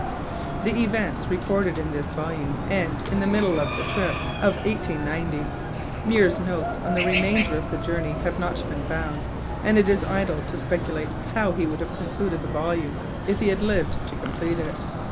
The events recorded in this volume end in the middle of the trip of 1890. Muir's notes on the remainder of the journey have not been found, and it is idle to speculate how he would have concluded the volume if he had lived to complete it.